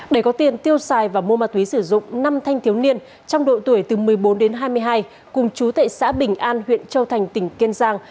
để có tiền tiêu xài và mua ma túy sử dụng năm thanh thiếu niên trong độ tuổi từ một mươi bốn đến hai mươi hai cùng chú tệ xã bình an huyện châu thành tỉnh kiên giang